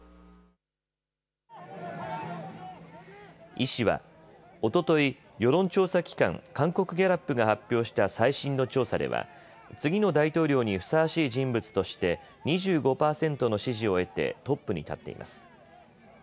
イ氏はおととい、世論調査機関、韓国ギャラップが発表した最新の調査では次の大統領にふさわしい人物として２５％の支持を得てトップに立っています。